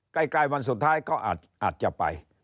ใกล้วันสุดท้ายก็อาจจะไป